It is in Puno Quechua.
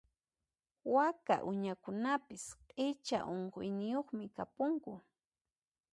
Waka uñakunapis q'icha unquyniyuqmi kapunku.